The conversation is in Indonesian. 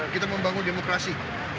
kita membangun demokrasi